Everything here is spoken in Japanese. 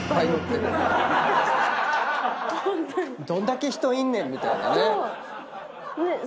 どんだけ人いんねん！みたいなね。